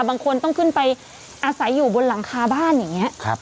บางคนต้องขึ้นไปอาศัยอยู่บนหลังคาบ้านอย่างนี้